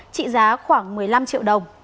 trị giá khoảng một mươi năm triệu đồng